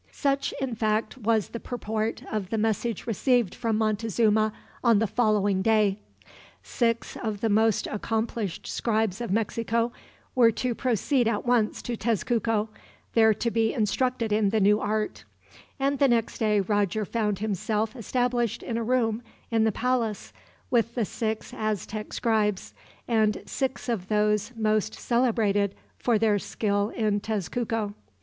Such in fact was the purport of the message received from Montezuma on the following day. Six of the most accomplished scribes of Mexico were to proceed at once to Tezcuco, there to be instructed in the new art; and the next day Roger found himself established in a room in the palace, with the six Aztec scribes, and six of those most celebrated for their skill in Tezcuco.